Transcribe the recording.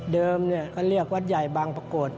เขาเรียกวัดใหญ่บางปรากฏ